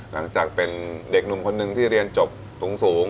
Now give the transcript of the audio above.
หลังจากเป็นเด็กหนุ่มคนนึงที่เรียนจบสูง